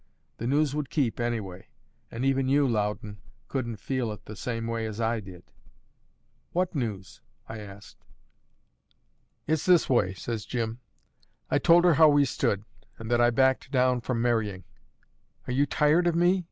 The news would keep, anyway; and even you, Loudon, couldn't feel it the same way as I did." "What news?" I asked. "It's this way," says Jim. "I told her how we stood, and that I backed down from marrying. 'Are you tired of me?'